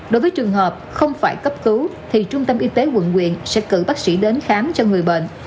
đối với trường hợp không phải cấp cứu thì trung tâm y tế quận quyện sẽ cử bác sĩ đến khám cho người bệnh